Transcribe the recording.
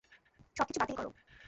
সবকিছু বাতিল করো।